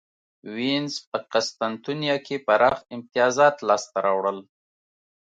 وینز په قسطنطنیه کې پراخ امیتازات لاسته راوړل.